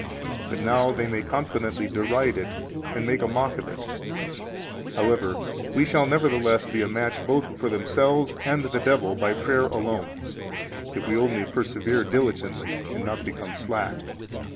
But now they may confidently deride it and make a mock of it; however, we shall nevertheless be a match both for themselves and the devil by prayer alone, if we only persevere diligently and not become slack.